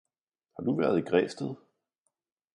Har du været i Græsted